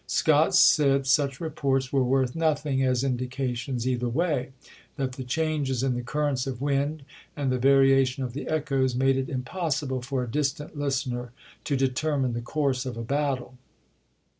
Scott said such reports were worth nothing as indications either way — that the changes in the currents of wind and the variation of the echoes made it impossible for a distant listener to determine the course of a battle.